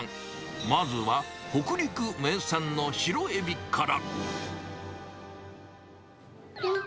まずは北陸名産の白エビから。